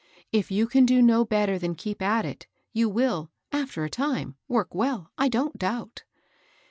If you can do no better than keep at it, you will, after a time, work well, I don't doubt."